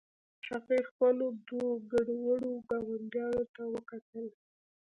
هغې خپلو دوو ګډوډو ګاونډیانو ته وکتل